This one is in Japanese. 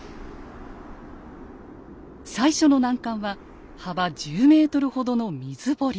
最初の難関は幅１０ｍほどの水堀。